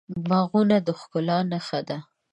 باغونه د ښکلا نښه ده.